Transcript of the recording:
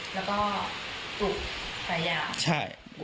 แล้วก็ปลุกภรรยาใช่